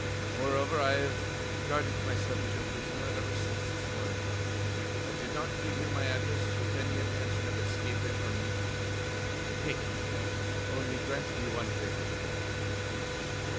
Moreover, I have regarded myself as your prisoner ever since this morning. I did not give you my address with any intention of escaping from you. Take me. Only grant me one favor."